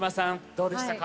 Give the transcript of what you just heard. どうでしたか？